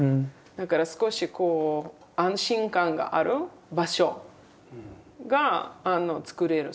だから少しこう安心感がある場所が作れる。